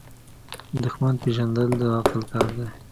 دښمن پیژندل د عقل کار دی.